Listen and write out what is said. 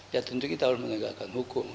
ya tentu kita harus menegakkan hukum